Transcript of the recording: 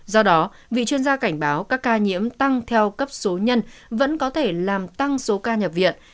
do đó vị chuyên gia cảnh báo các ca nhiễm tăng theo cấp số nhân vẫn có thể làm tăng số ca nhập viện